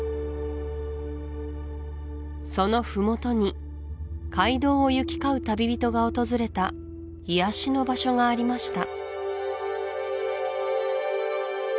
その麓に街道を行き交う旅人が訪れた癒やしの場所がありました